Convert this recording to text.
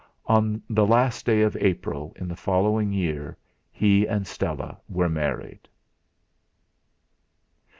On the last day of April in the following year he and Stella were married....